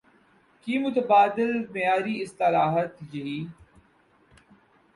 کی متبادل معیاری اصطلاحات یہی